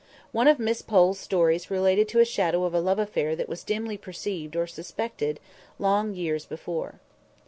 One of Miss Pole's stories related to a shadow of a love affair that was dimly perceived or suspected long years before.